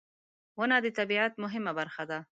• ونه د طبیعت مهمه برخه ده.